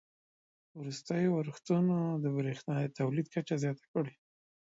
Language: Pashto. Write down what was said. وروستیو اورښتونو د بریښنا د تولید کچه زیاته کړې